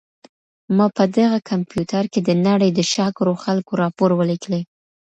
ما په دغه کمپیوټر کي د نړۍ د شاکرو خلکو راپور ولیکلی.